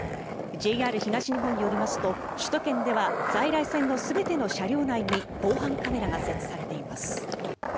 ＪＲ東日本によりますと首都圏では在来線の全ての車両内に防犯カメラが設置されています。